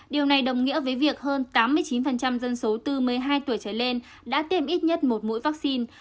điều này đồng nghĩa với việc hơn tám mươi chín dân số từ một mươi hai tuổi trở lên đã tiêm ít nhất một mũi vaccine